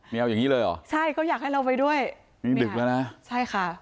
อย่างงี้เลยเหรอใช่ก็อยากให้เราไปด้วยนี่ดึกแล้วนะใช่ค่ะ